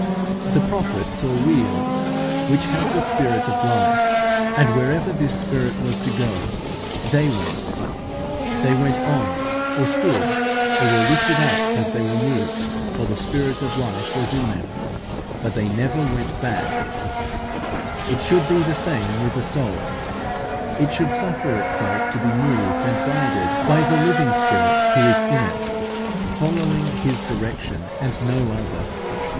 The prophet saw wheels which had the spirit of life, and wherever this spirit was to go, they went; they went on, or stood, or were lifted up, as they were moved, for the spirit of life was in them: but they never went back (see Ezek. i. 19 21). It should be the same with the soul: it should suffer itself to be moved and guided by the living Spirit who is in it, following His direction, and no other.